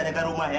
jangan rumah ya